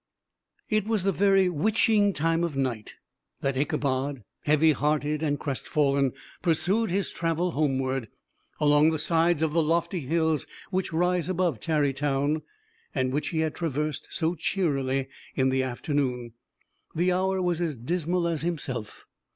It was the very witching time of night that Ichabod, heavy hearted and crestfallen, pursued his travel homeward, along the sides of the lofty hills which rise above Tarry Town, and which he had traversed so cheerily in the afternoon. The hour was as dismal as himself.